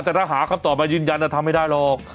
แต่ถ้าหาคำตอบมายืนยันทำไม่ได้หรอก